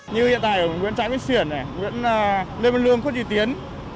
như hiện tại ở nguyễn trãi bích xuyển nguyễn lê mân lương phước trị tiến